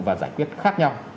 và giải quyết khác nhau